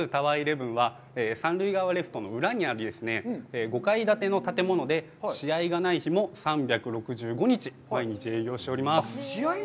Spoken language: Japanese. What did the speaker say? １１は三塁側レフトの裏にあり、５階建ての建物で、試合がない日も、３６５日、毎日営業しております。